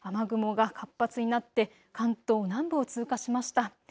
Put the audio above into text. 雨雲が活発になって関東南部を通過しました。